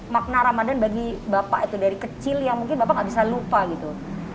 makna ramadan bagi bapak itu dari kecil yang mungkin bapak nggak bisa lupa gitu